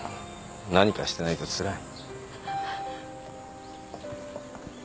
何かしてないとつらい。